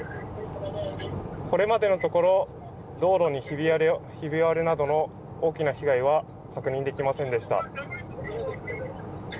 これまでのところ道路にひび割れなどの大きな被害は確認できませんでした。